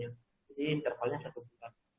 jadi intervalnya satu bulan